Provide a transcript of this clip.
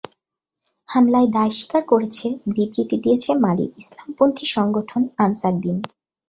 হামলায় দায় স্বীকার করেছে বিবৃতি দিয়েছে মালির ইসলামপন্থী সংগঠন আনসার দ্বীন।